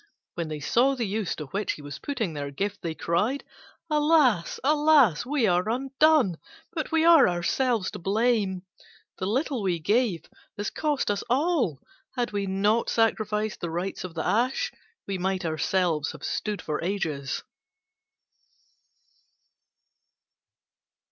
When they saw the use to which he was putting their gift, they cried, "Alas! alas! We are undone, but we are ourselves to blame. The little we gave has cost us all: had we not sacrificed the rights of the ash, we might ourselves have stood for ages."